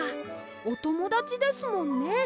おともだちですもんね。